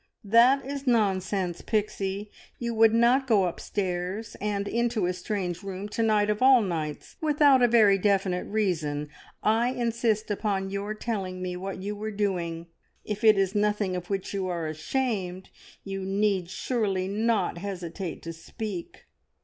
"That is nonsense, Pixie; you would not go upstairs and into a strange room, to night of all nights, without a very definite reason. I insist upon your telling me what you were doing. If it is nothing of which you are ashamed, you need surely not hesitate to speak."